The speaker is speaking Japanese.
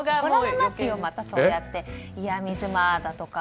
またそうやって嫌味妻とか。